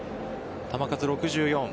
球数６４。